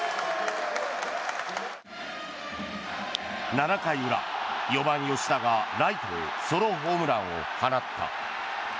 ７回裏、４番、吉田がライトへソロホームランを放った。